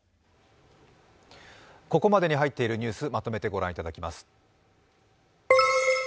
ここまでに入っているニュース、まとめて御覧いただきます。